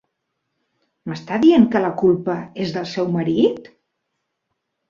M'està dient que la culpa és del seu marit?